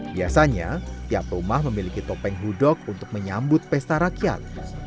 biasanya tiap rumah memiliki topeng hudok untuk menyambut pesta rakyat